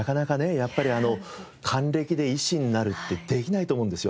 やっぱり還暦で医師になるってできないと思うんですよ。